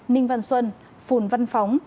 ninh văn xuân phùn văn phóng